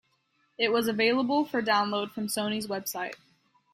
It was available for download from Sony's website.